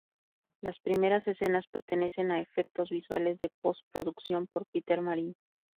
Las primeras escenas pertenecen a efectos visuales de post-producción por Peter Marin.